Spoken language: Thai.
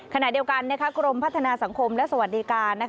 ขณะเดียวกันกรมพัฒนาสังคมและสวัสดิการ